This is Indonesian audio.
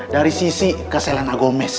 dari sisi ke selena gomez